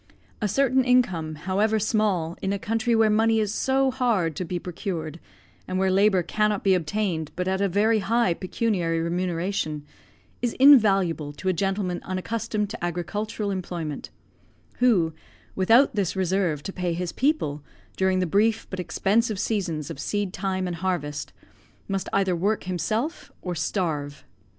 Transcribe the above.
A certain income, however small, in a country where money is so hard to be procured, and where labour cannot be obtained but at a very high pecuniary remuneration, is invaluable to a gentleman unaccustomed to agricultural employment; who, without this reserve to pay his people, during the brief but expensive seasons of seed time and harvest, must either work himself or starve.